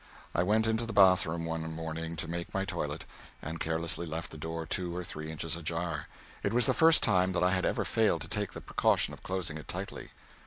I went into the bath room one morning to make my toilet, and carelessly left the door two or three inches ajar. It was the first time that I had ever failed to take the precaution of closing it tightly.